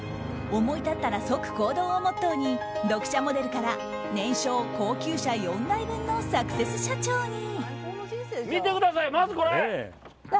思い立ったら即行動をモットーに読者モデルから年商高級車４台分のサクセス社長に。